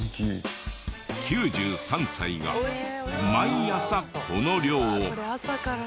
９３歳が毎朝この量を。